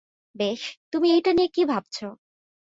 বেশ, তুমি এইটা নিয়ে কি ভাবছ?